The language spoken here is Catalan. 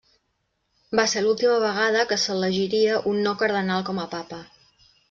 Va ser l'última vegada que s'elegiria un no cardenal com a papa.